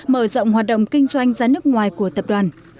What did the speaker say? mở rộng hoạt động kinh doanh ra nước ngoài của tập đoàn